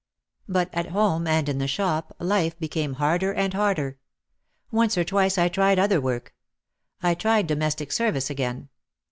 But at home and in the shop life became harder and harder. Once or twice I tried other work. I tried do mestic service again.